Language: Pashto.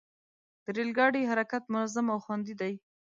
د ریل ګاډي حرکت منظم او خوندي دی.